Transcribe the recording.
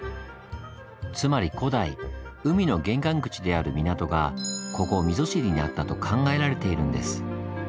つまり古代海の玄関口である港がここ溝尻にあったと考えられているんです。